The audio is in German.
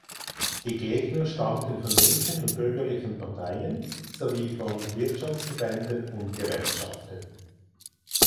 Die Gegner stammten von linken und bürgerlichen Parteien sowie von Wirtschaftsverbänden und Gewerkschaften.